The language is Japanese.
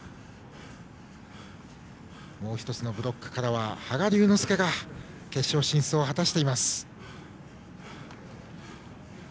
もう１つのブロックからは羽賀龍之介が決勝進出を果たしています。